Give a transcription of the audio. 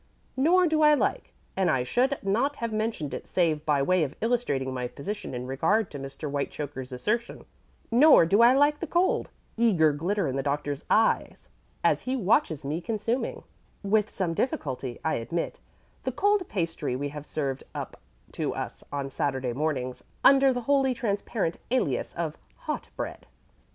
Nor do I like and I should not have mentioned it save by way of illustrating my position in regard to Mr. Whitechoker's assertion nor do I like the cold, eager glitter in the Doctor's eyes as he watches me consuming, with some difficulty, I admit, the cold pastry we have served up to us on Saturday mornings under the wholly transparent alias of 'Hot Bread.'